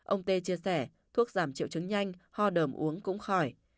ông tê chia sẻ thuốc giảm triệu chứng nhanh ho đờm uống cũng khỏi